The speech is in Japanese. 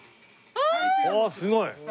わあすごい！